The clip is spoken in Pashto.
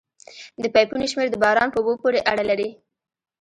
د پایپونو شمېر د باران په اوبو پورې اړه لري